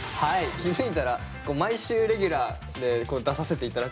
気付いたら毎週レギュラーで出させて頂く。